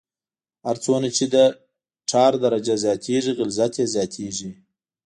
هر څومره چې د ټار درجه زیاتیږي غلظت یې زیاتیږي